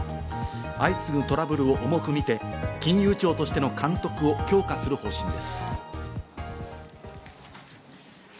相次ぐトラブルを重くみて金融庁としての監督を強化する方針です。